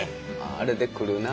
あれで来るな。